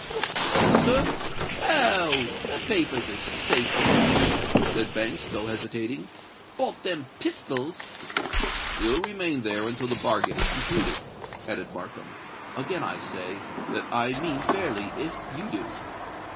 "The papers, sir? Oh! the papers is safe enow," said Banks, still hesitating; "but them pistols——" "Will remain there until the bargain is concluded," added Markham. "Again I say that I mean fairly if you do."